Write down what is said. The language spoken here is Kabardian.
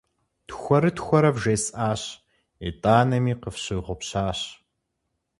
Тхуэрытхуэрэ вжесӏащ, итӏанэми къыфщыгъупщащ.